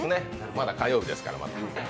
まだ火曜日ですから。